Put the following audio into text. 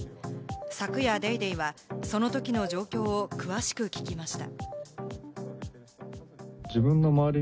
昨夜『ＤａｙＤａｙ．』はそのときの状況を詳しく聞きました。